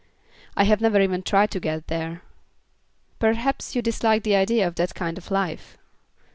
"I have never even tried to get there." "Perhaps you dislike the idea of that kind of life."